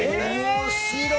面白い！